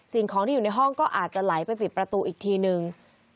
สิ่งของที่อยู่ในห้องก็อาจจะไหลไปปิดประตูอีกทีนึง